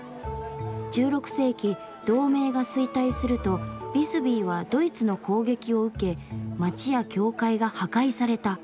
１６世紀同盟が衰退するとビスビーはドイツの攻撃を受け街や教会が破壊された。